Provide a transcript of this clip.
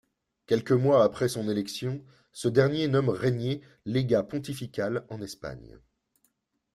Quelques mois après son élection, ce dernier nomme Rainier légat pontifical en Espagne.